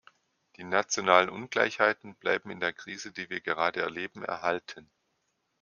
Die nationalen Ungleichheiten bleiben in der Krise, die wir gerade erleben, erhalten.